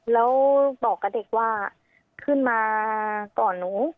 แล้วบอกกับเด็กว่าขึ้นมาก่อนหนู